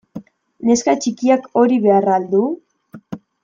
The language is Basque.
Neska txikiak hori behar al du?